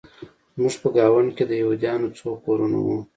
زموږ په ګاونډ کې د یهودانو څو کورونه وو